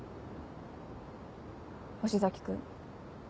星崎君。